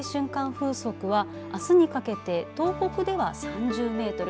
風速はあすにかけて東北では３０メートル